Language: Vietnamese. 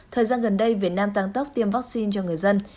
thời gian gần đây việt nam tăng tốc tiêm vaccine cho người dân